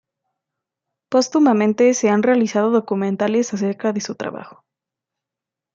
Póstumamente se han realizado documentales acerca de su trabajo.